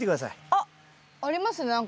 あっありますね何か。